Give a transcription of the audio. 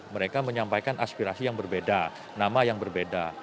mereka menyampaikan aspirasi yang berbeda nama yang berbeda